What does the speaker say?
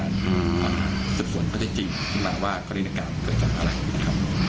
ถึงหมายความว่าคณะกรรมเกิดจากอะไร